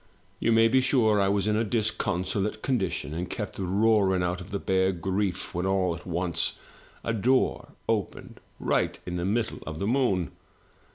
You may be sure I was in a disconsolate condition, and kept roaring out for the bare grief, when all at once a door opened right in the middle of the moon!